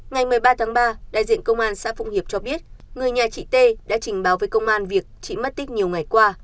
ngày một mươi ba tháng ba đại diện công an xã phụng hiệp cho biết người nhà chị t đã trình báo với công an việc chị mất tích nhiều ngày qua